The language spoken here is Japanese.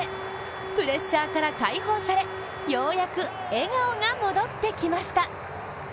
プレッシャーから解放されようやく笑顔が戻ってきました。